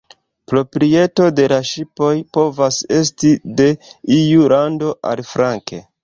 Proprieto de la ŝipoj povas esti de iu lando, aliflanke.